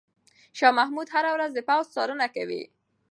شاه محمود هره ورځ د پوځ څارنه کوي.